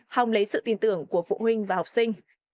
hòng lấy sự tin tưởng của phụ huynh và học sinh